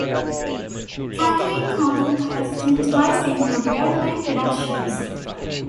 Katharine Cornell cast him twice in her Broadway productions.